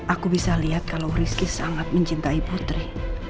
aku bisa lihat kalau rizky sangat mencintai putri